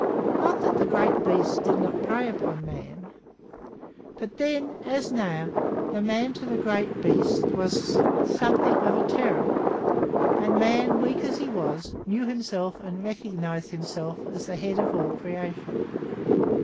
Not that the great beasts did not prey upon man, but then, as now, the man to the great beast was something of a terror, and man, weak as he was, knew himself and recognized himself as the head of all creation.